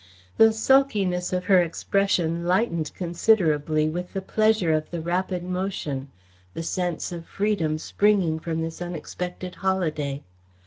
The sulkiness of her expression lightened considerably with the pleasure of the rapid motion, the sense of freedom springing from this unexpected holiday.